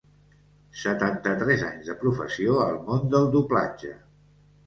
Setanta-tres anys de professió al món del doblatge.